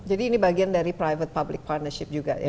jadi ini bagian dari private public partnership juga ya